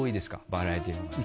バラエティーとかでは。